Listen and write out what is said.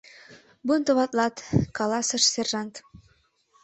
Бунтоватлат,— каласыш сержант.